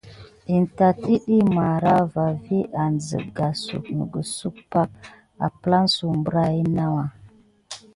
In tat əɗiy marava vi an nəgəsuk pake. Kame aplan suw əzlaɓe nawa.